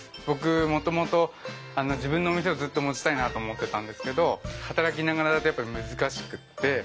僕もともと自分のお店をずっと持ちたいなと思ってたんですけど働きながらだとやっぱり難しくって。